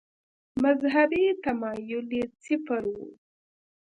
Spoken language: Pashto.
مذهبي تمایل یې صفر و.